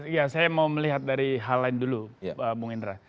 ya saya mau melihat dari hal lain dulu bung indra